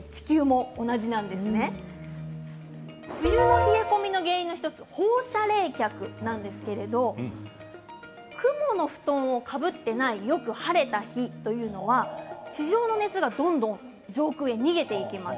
冬の冷え込みの原因冷え込みの原因の１つ放射冷却なんですけれども雲の布団をかぶっていないよく晴れた日というのは地上の熱がどんどん上空へ逃げていきます。